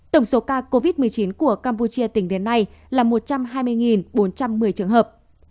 tổng số ca covid một mươi chín của campuchia tỉnh đến nay là một trăm hai mươi bốn trăm một mươi trường hợp